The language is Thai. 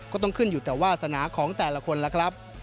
ก็ต้องขึ้นอยู่แต่วาสนาของแต่ละคนล่ะครับ